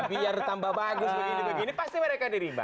biar tambah bagus pasti mereka dirima